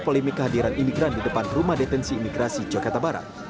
polemik kehadiran imigran di depan rumah detensi imigrasi jakarta barat